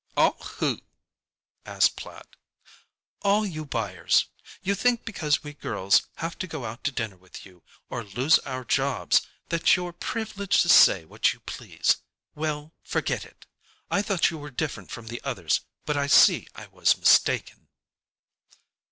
"All who?" asked Platt. "All you buyers. You think because we girls have to go out to dinner with you or lose our jobs that you're privileged to say what you please. Well, forget it. I thought you were different from the others, but I see I was mistaken."